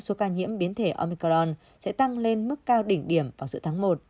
số ca nhiễm biến thể omicorn sẽ tăng lên mức cao đỉnh điểm vào giữa tháng một